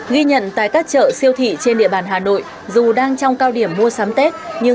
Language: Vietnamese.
ghi nhận tại các chợ siêu thị trên địa bàn hà nội dù đang trong cao điểm mua sắm tết nhưng